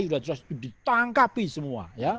sudah ditangkapi semua